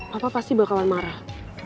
papa pasti bakalan marah